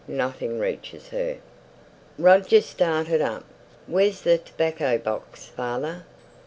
Nothing reaches her!" Roger started up. "Where's the tobacco box, father?